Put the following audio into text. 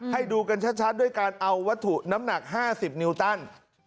ให้ดูกันชัดด้วยการเอาวัตถุน้ำหนัก๕๐นิวตัน